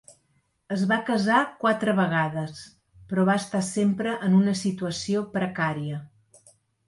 Es va casar quatre vegades, però va estar sempre en una situació precària.